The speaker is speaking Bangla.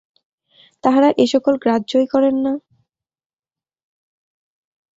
তাঁহারা এ-সকল গ্রাহ্যই করেন না।